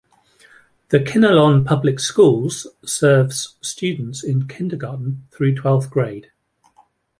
The Kinnelon Public Schools serves students in kindergarten through twelfth grade.